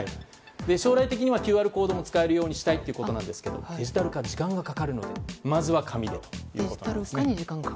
将来的にはＱＲコードも使えるようにしたいということなんですがデジタル化は時間がかかるのでまずは紙でということです。